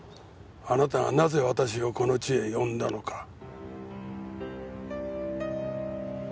あなたがなぜ私をこの地へ呼んだのか。